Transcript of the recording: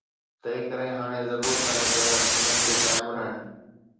تنهن ڪري هاڻي ضرورت آهي ته انهن تي قائم رهڻ.